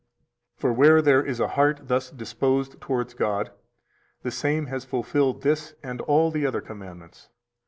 For where there is a heart thus disposed towards God, the same has fulfilled this and all the other commandments.